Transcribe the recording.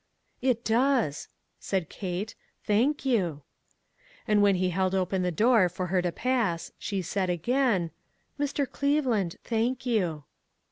"It does," said Kate; "thank you." And when he held open the door for her to pass, she said again :" Mr. Cleveland, thank you."